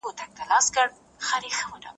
دا د عملي ټولنپوهني يوه برخه ګڼل کيږي.